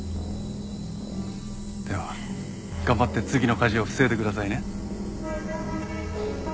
では頑張って次の火事を防いでくださいね。